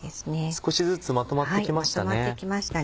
少しずつまとまってきましたね。